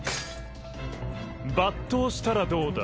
抜刀したらどうだ？